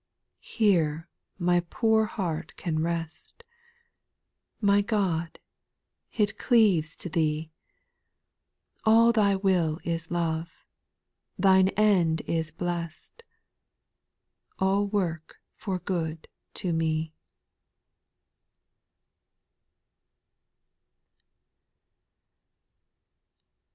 6. Here my poor heart can rest. My God I it cleaves to Thee ; SPIRITUAL 80NQ8. 125 Thy will is love, Thine end is blest. All work for good to me.